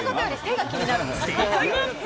正解は。